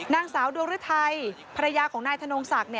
นางสาวโดรถัยภรรยาของนายถนนสัก